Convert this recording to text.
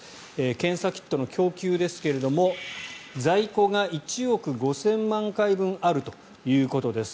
検査キットの供給ですが在庫が１億５０００万回分あるということです。